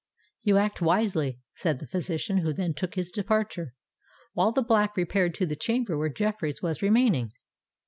"You act wisely," said the physician, who then took his departure, while the Black repaired to the chamber where Jeffreys was remaining.